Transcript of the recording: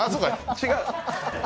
違う！